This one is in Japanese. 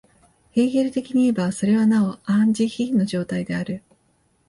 ヘーゲル的にいえば、それはなおアン・ジヒの状態である。